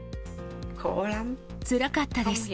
つらかったです。